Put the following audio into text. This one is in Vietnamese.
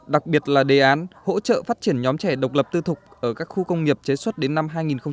đặc biệt là đề án hỗ trợ phát triển nhóm trẻ độc lập tư thục ở các khu công nghiệp chế xuất đến năm hai nghìn hai mươi